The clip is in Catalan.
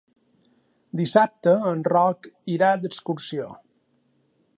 Dissabte en Roc irà d'excursió.